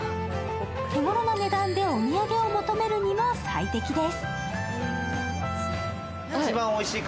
手ごろな値段でお土産を求めるにも最適です。